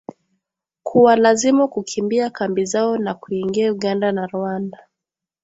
kuwalazimu kukimbia kambi zao na kuingia Uganda na Rwanda.